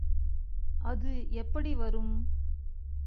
அது எப்படி வரும்?